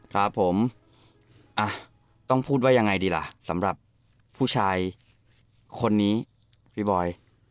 ครับผมอ่ะต้องพูดว่ายังไงดีล่ะสำหรับผู้ชายคนนี้พี่บอย